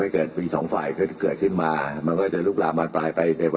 มีศาสตราจารย์พิเศษวิชามหาคุณเป็นประเทศด้านกรวมความวิทยาลัยธรม